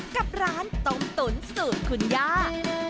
กับร้านต้มตุ๋นสูตรคุณย่า